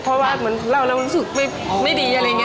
เพราะว่าเหมือนเรารู้สึกไม่ดีอะไรอย่างนี้